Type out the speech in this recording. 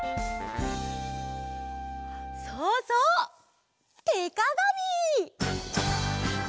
そうそう！てかがみ！